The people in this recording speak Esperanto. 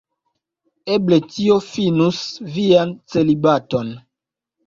Eble tio finus vian celibaton.